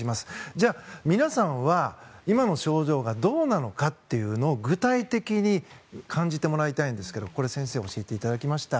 じゃあ、皆さんは今の症状がどうなのかというのを具体的に感じてもらいたいんですが先生に教えていただきました。